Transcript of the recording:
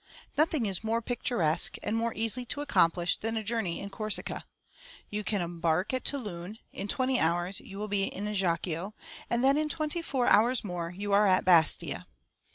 Nothing is more picturesque and more easy to accomplish than a journey in Corsica. You can embark at Toulon, in twenty hours you will be in Ajaccio, and then in twenty four hours more you are at Bastia.